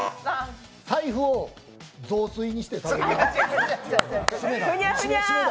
財布をぞうすいにして食べる。